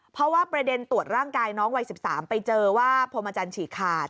เพราะว่าประเด็นตรวจร่างกายน้องวัย๑๓ไปเจอว่าพรหมจันทร์ฉีกขาด